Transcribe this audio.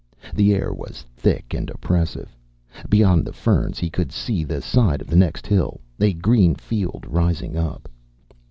The air was thick and oppressive. Beyond the ferns he could see the side of the next hill, a green field rising up.